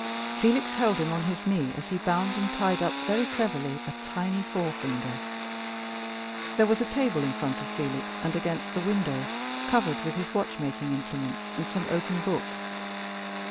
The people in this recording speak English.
Felix held him on his knee as he bound and tied up very cleverly a tiny forefinger. There was a table in front of Felix and against the window, covered with his watchmaking implements and some open books.